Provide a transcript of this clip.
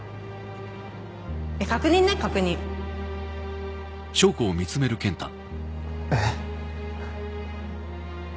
確認ね確認えっ？